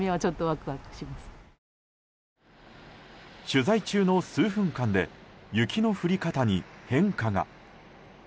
取材中の数分間で雪の降り方に変化が。